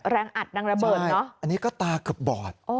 แรงอัดดังระเบิดเนอะใช่อันนี้ก็ตาเกือบบอด